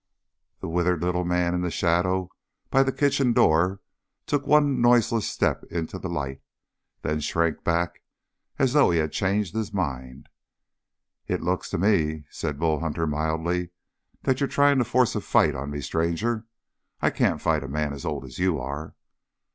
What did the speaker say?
The withered little man in the shadow by the kitchen door took one noiseless step into the light and then shrank back as though he had changed his mind. "It looks to me," said Bull Hunter mildly, "that you're trying to force a fight on me. Stranger, I can't fight a man as old as you are."